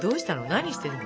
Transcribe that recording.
何してるの？